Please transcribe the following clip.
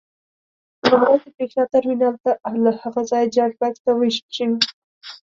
لومړی د برېښنا ترمینل ته او له هغه ځایه جاینټ بکس ته وېشل شوي.